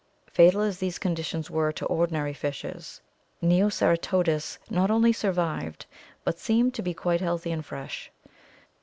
Fatal as these conditions were to ordinary fishes, Neoceratodus not only survived, but seemed to be quite healthy and fresh.